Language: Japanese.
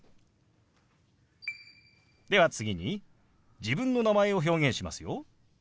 では次に自分の名前を表現しますよ。